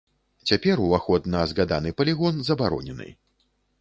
Цяпер уваход на згаданы палігон забаронены.